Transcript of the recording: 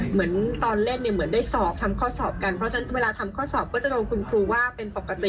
เหมือนตอนแรกเนี่ยเหมือนได้สอบทำข้อสอบกันเพราะฉะนั้นเวลาทำข้อสอบก็จะโดนคุณครูว่าเป็นปกติ